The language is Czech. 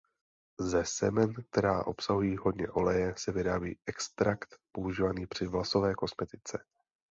Ze semen která obsahují hodně oleje se vyrábí extrakt používaný při vlasové kosmetice.